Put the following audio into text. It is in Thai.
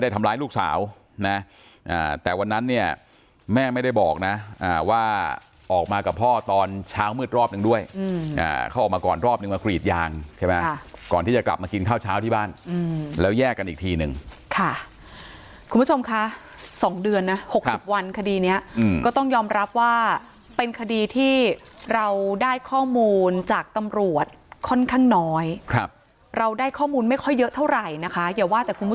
ทำร้ายลูกสาวนะแต่วันนั้นเนี่ยแม่ไม่ได้บอกนะว่าออกมากับพ่อตอนเช้ามืดรอบหนึ่งด้วยเขาออกมาก่อนรอบนึงมากรีดยางใช่ไหมก่อนที่จะกลับมากินข้าวเช้าที่บ้านแล้วแยกกันอีกทีนึงค่ะคุณผู้ชมคะสองเดือนนะ๖๐วันคดีเนี้ยก็ต้องยอมรับว่าเป็นคดีที่เราได้ข้อมูลจากตำรวจค่อนข้างน้อยครับเราได้ข้อมูลไม่ค่อยเยอะเท่าไหร่นะคะอย่าว่าแต่คุณผู้ชม